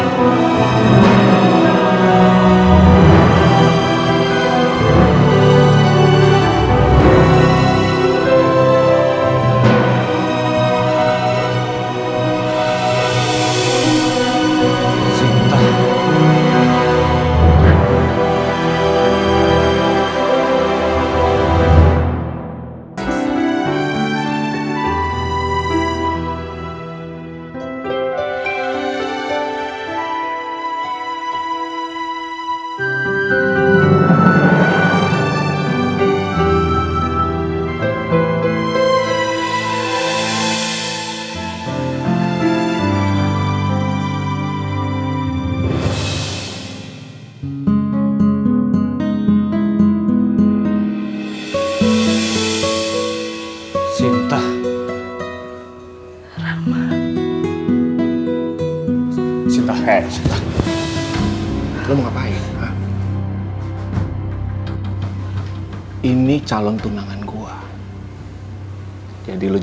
kamu dihancam sampe harus